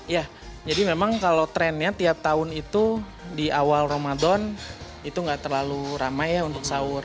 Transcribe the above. ya jadi memang kalau trennya tiap tahun itu di awal ramadan itu nggak terlalu ramai ya untuk sahur